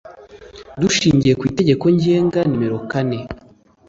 dushingiye ku itegeko ngenga nimero kane